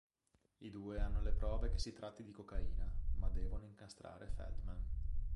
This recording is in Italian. I due hanno le prove che si tratti di cocaina, ma devono incastrare Feldman.